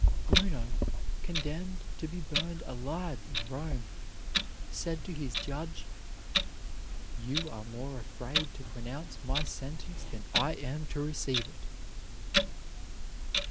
Bruno, condemned to be burned alive in Rome, said to his judge: "You are more afraid to pronounce my sentence than I am to receive it."